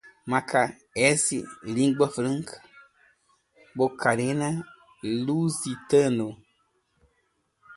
macaenses, língua franca, moçárabe-lusitano